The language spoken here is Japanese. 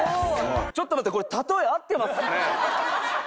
ちょっと待ってこれ例え合ってますかね？